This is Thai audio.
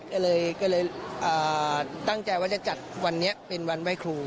ก็เลยตั้งใจว่าจะจัดวันนี้เป็นวันไหว้ครู